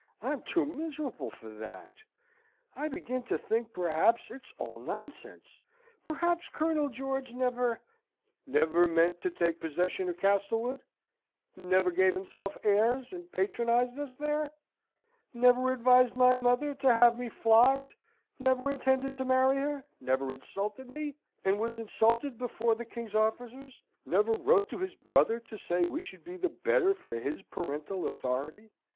"I'm too miserable for that. I begin to think, perhaps it's all nonsense, perhaps Colonel George never " "Never meant to take possession of Castlewood; never gave himself airs, and patronised us there; never advised my mother to have me flogged, never intended to marry her; never insulted me, and was insulted before the king's officers; never wrote to his brother to say we should be the better for his parental authority?